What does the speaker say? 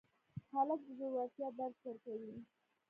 هلک د زړورتیا درس ورکوي.